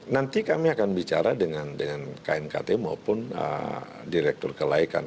nanti kami akan bicara dengan knkt maupun direktur kelaikan